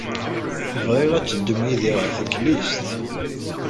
Bɣiɣ ad teddum yid-i ɣer teklizt.